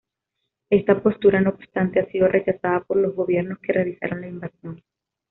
Esta postura, no obstante, ha sido rechazada por los gobiernos que realizaron la invasión.